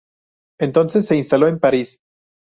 Entonces se instaló en París.